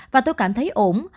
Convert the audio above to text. và tôi cảm thấy ổn